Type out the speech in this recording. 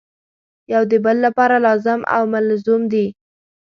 یو د بل لپاره لازم او ملزوم دي.